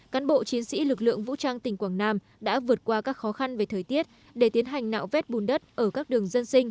cán bộ chiến sĩ lực lượng vũ trang tỉnh quảng nam đã vượt qua các khó khăn về thời tiết để tiến hành nạo vét bùn đất ở các đường dân sinh